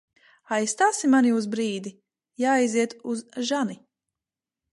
Aizstāsi mani uz brīdi? Jāaiziet uz žani.